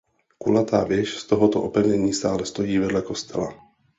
Kulatá věž z tohoto opevnění stále stojí vedle kostela.